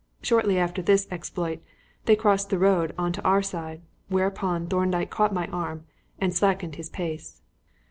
Shortly after this exploit they crossed the road on to our side, whereupon Thorndyke caught my arm and slackened his pace.